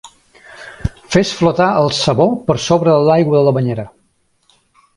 Fes flotar el sabó per sobre de l'aigua de la banyera.